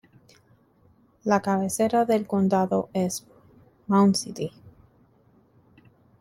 La cabecera del condado es Mound City.